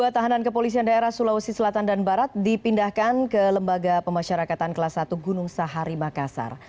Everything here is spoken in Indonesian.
dua tahanan kepolisian daerah sulawesi selatan dan barat dipindahkan ke lembaga pemasyarakatan kelas satu gunung sahari makassar